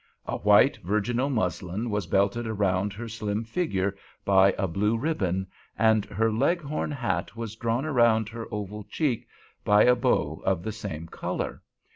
A white virginal muslin was belted around her slim figure by a blue ribbon, and her Leghorn hat was drawn around her oval cheek by a bow of the same color.